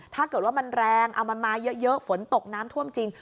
ถ้าเกิดว่ามันแรงเอามันมาเยอะฝนตกน้ำท่วมจริง